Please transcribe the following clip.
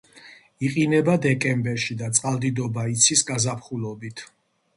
იყინება დეკემბერში და წყალდიდობა იცის გაზაფხულობით.